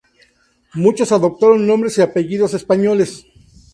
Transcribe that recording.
Muchos adoptaron nombres y apellidos españoles.